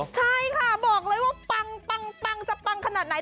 ใช่ค่ะบอกเลยว่าปังจะปังขนาดไหน